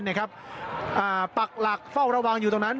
เนี่ยครับอ่าปักหลักเฝ้าระวังอยู่ตรงนั้น